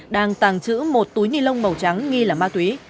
đang tàng trữ một túi nilon màu trắng nghi là ma túy